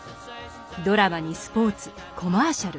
ドラマにスポーツコマーシャル。